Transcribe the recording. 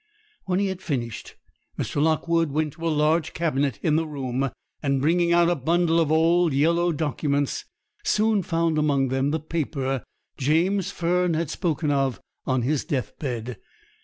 When he had finished, Mr. Lockwood went to a large cabinet in the room, and, bringing out a bundle of old yellow documents, soon found among them the paper James Fern had spoken of on his death bed.